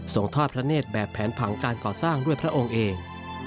ทอดพระเนธแบบแผนผังการก่อสร้างด้วยพระองค์เอง